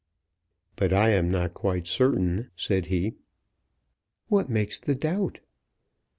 "But I am not quite certain," said he. "What makes the doubt?"